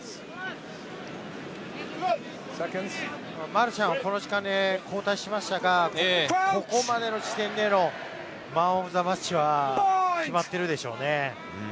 マルシャンはこの時間で交代しましたが、ここまでの時点でのマン・オブ・ザ・マッチは決まっているでしょうね。